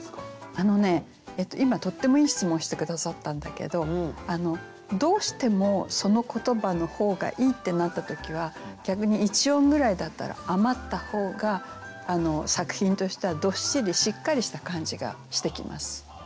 あのね今とってもいい質問して下さったんだけどどうしてもその言葉の方がいいってなった時は逆に一音ぐらいだったら余った方が作品としてはどっしりしっかりした感じがしてきます。